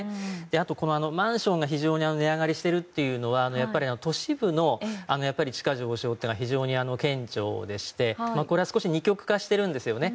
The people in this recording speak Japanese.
あと、マンションが非常に値上がりしているというのは都市部の地価上昇というのが非常に顕著でしてこれは少し二極化しているんですね。